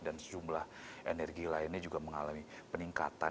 dan sejumlah energi lainnya juga mengalami peningkatan